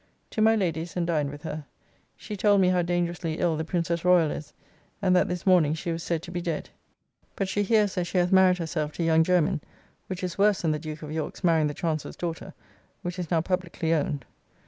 To my Lady's, and dined with her: she told me how dangerously ill the Princess Royal is and that this morning she was said to be dead. But she hears that she hath married herself to young Jermyn, which is worse than the Duke of York's marrying the Chancellor's daughter, which is now publicly owned.